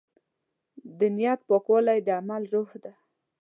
د نیت پاکوالی د عمل روح دی.